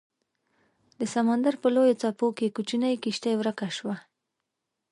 د سمندر په لویو څپو کې کوچنۍ کیشتي ورکه شوه